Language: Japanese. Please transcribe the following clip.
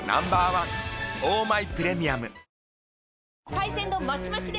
海鮮丼マシマシで！